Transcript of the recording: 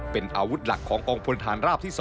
เป็นอาวุธหลักของกองพลฐานราบที่๒